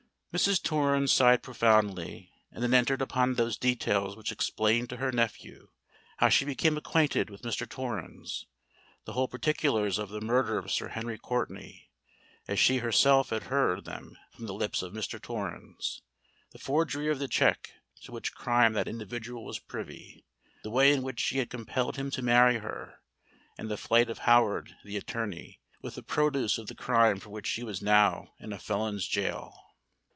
Mrs. Torrens sighed profoundly, and then entered upon those details which explained to her nephew how she became acquainted with Mr. Torrens—the whole particulars of the murder of Sir Henry Courtenay, as she herself had heard them from the lips of Mr. Torrens—the forgery of the cheque, to which crime that individual was privy—the way in which she had compelled him to marry her—and the flight of Howard, the attorney, with the produce of the crime for which she was now in a felon's gaol.